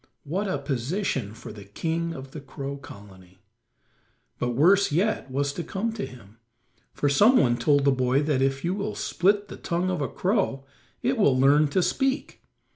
What a position for the king of Crow Colony. But worse yet was to come to him, for some one told the boy that if you will split the tongue of a crow it will soon learn to speak.